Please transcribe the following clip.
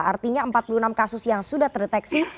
artinya empat puluh enam kasus yang sudah terdeteksi